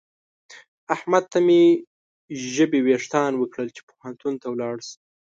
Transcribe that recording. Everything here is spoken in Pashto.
احمد ته مې ژبې وېښتان وکړل چې پوهنتون ته ولاړ شه.